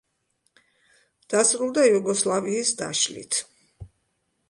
დასრულდა იუგოსლავიის დაშლით.